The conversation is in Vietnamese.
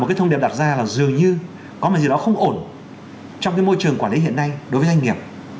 cái thông điệp đặt ra là dường như có một gì đó không ổn trong cái môi trường quản lý hiện nay đối với doanh nghiệp